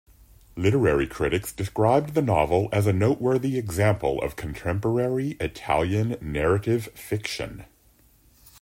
Literary critics described the novel as a noteworthy example of contemporary Italian narrative fiction.